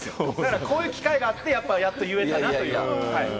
だからこういう機会があってやっと言えたなって。